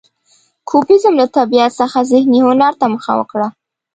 کوبیزم له طبیعت څخه ذهني هنر ته مخه وکړه.